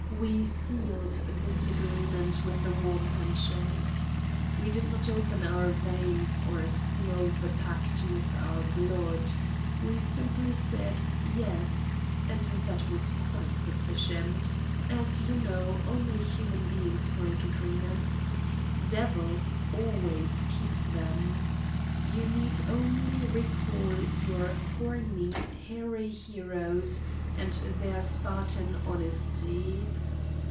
We sealed this agreement with a warm handshake. We did not open our veins nor seal the pact with our blood. We simply said "yes" and that was quite sufficient: as you know only human beings break agreements. Devils always keep them. ... You need only re call your horny, hairy heroes and their Spartan honesty.